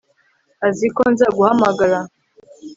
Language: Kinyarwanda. azi ko nzaguhamagara